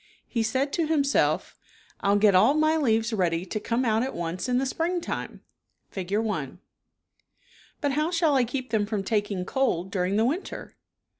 He said to himself, " I'll get all my leaves ready to come out at once in the springtime (Fig. i). But how shall I keep them from taking cold during the winter?"